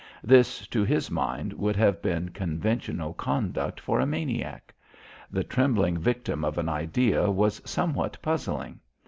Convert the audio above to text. This, to his mind, would have been conventional conduct for a maniac. The trembling victim of an idea was somewhat puzzling.